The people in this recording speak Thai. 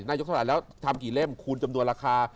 ยกเท่าไหร่แล้วทำกี่เล่มคูณจำนวนราคา